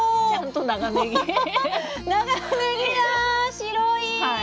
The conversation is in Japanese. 白い！